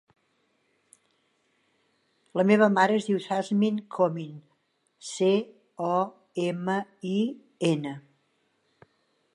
La meva mare es diu Tasnim Comin: ce, o, ema, i, ena.